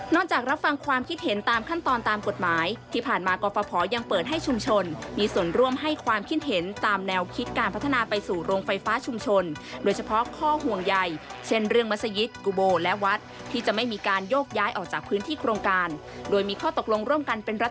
จากรับฟังความคิดเห็นตามขั้นตอนตามกฎหมายที่ผ่านมากรฟภยังเปิดให้ชุมชนมีส่วนร่วมให้ความคิดเห็นตามแนวคิดการพัฒนาไปสู่โรงไฟฟ้าชุมชนโดยเฉพาะข้อห่วงใหญ่เช่นเรื่องมัศยิตกุโบและวัดที่จะไม่มีการโยกย้ายออกจากพื้นที่โครงการโดยมีข้อตกลงร่วมกันเป็นรัฐ